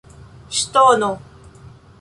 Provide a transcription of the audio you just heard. ŝtono